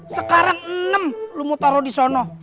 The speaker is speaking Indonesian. sekarang enam lu mau taro di sono